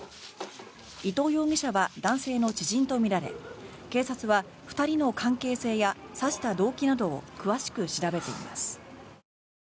伊藤容疑者は男性の知人とみられ警察は２人の関係性や刺した動機などを詳しく調べています。